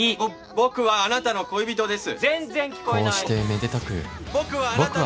僕はあなたの恋人です！